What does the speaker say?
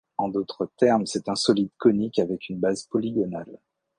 En d'autres termes, c'est un solide conique avec une base polygonale.